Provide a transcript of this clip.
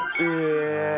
え！